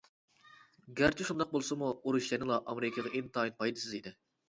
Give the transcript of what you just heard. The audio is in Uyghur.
گەرچە شۇنداق بولسىمۇ، ئۇرۇش يەنىلا ئامېرىكىغا ئىنتايىن پايدىسىز ئىدى.